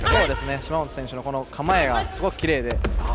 芝本選手の構えがすごくきれいで。